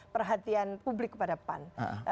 perhatian publik kepada pan